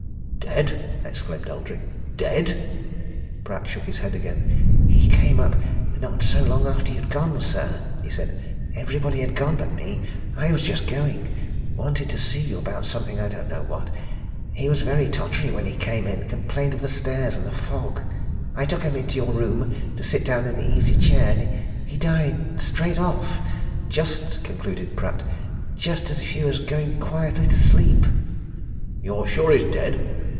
"Dead?" exclaimed Eldrick. "Dead!" Pratt shook his head again. "He came up not so long after you'd gone, sir," he said. "Everybody had gone but me I was just going. Wanted to see you about something I don't know what. He was very tottery when he came in complained of the stairs and the fog. I took him into your room, to sit down in the easy chair. And he died straight off. Just," concluded Pratt, "just as if he was going quietly to sleep!" "You're sure he is dead?